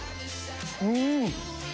うん！